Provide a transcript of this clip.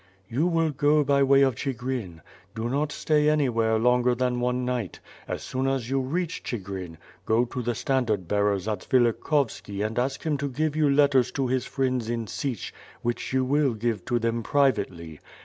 "You will go by way of Chigrin. Do not stay anywhere longer than one night; as soon as you reach Chigrin, go to the standard bearer Zatsvilikhovski and ask him to give you letttTs to his friends in Sich which you will give to them privately.